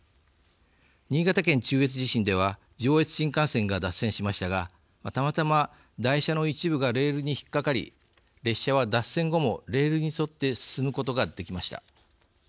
新潟県中越地震では上越新幹線が脱線しましたがたまたま台車の一部がレールに引っかかり列車は脱線後もレールに沿って進むことができました。